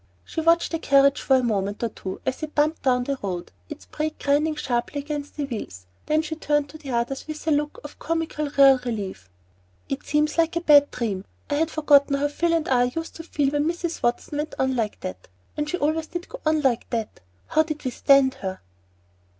She watched the carriage for a moment or two as it bumped down the road, its brake grinding sharply against the wheels, then she turned to the others with a look of comically real relief. "It seems like a bad dream! I had forgotten how Phil and I used to feel when Mrs. Watson went on like that, and she always did go on like that. How did we stand her?"